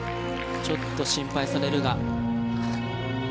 ちょっと心配されるが。